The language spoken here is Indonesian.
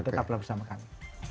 tetap bersama kami